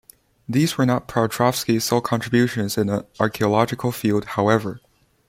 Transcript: These were not Piotrovsky's sole contributions in the archaeological field, however.